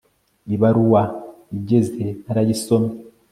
Ibaruwa igeze narayisomye